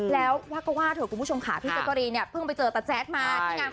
แล้วว่าก็ว่าเถอะคุณผู้ชมขาพี่เจ้ากะเรเนี้ยเพิ่งไปเจอมา